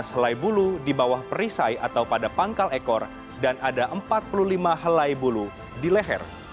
dua belas helai bulu di bawah perisai atau pada pangkal ekor dan ada empat puluh lima helai bulu di leher